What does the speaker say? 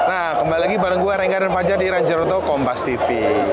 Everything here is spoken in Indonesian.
nah kembali lagi bareng gue renggar dan fajar di ranjeroto kompastv